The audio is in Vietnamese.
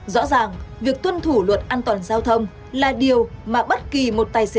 rõ ràng việc tuân thủ luật an toàn giao thông là điều mà bất kỳ một tài xế